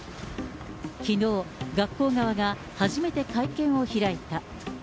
きのう、学校側が初めて会見を開いた。